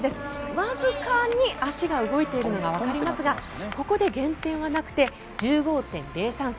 わずかに足が動いているのがわかりますがここで減点はなくて１５．０３３。